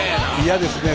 嫌ですね